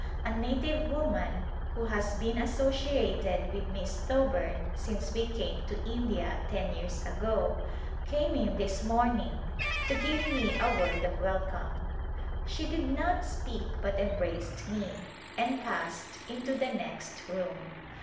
A native woman who has been associated with Miss Thoburn since we came to India ten years ago came in this morning to give me a word of welcome. She did not speak but embraced me and passed into the next room.